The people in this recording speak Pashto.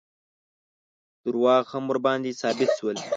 دروغ هم ورباندې ثابت شول.